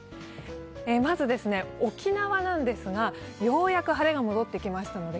沖縄ですが、ようやく晴れが戻ってきますので